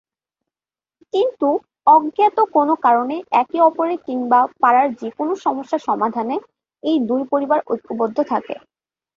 কিন্তু অজ্ঞাত কোন কারণে একে-অপরের কিংবা পাড়ার যেকোন সমস্যা সমাধানে এই দুই পরিবার ঐক্যবদ্ধ থাকে।